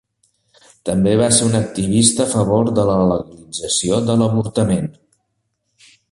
També va ser un activista a favor de la legalització de l'avortament.